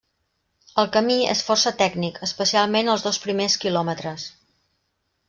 El camí és força tècnic, especialment els dos primers quilòmetres.